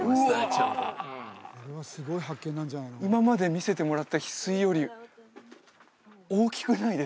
ちょうど今まで見せてもらった翡翠より大きくないですか？